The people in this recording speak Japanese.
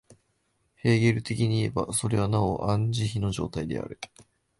ヘーゲル的にいえば、それはなおアン・ジヒの状態である。